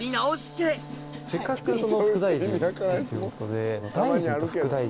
せっかく副大臣にということで。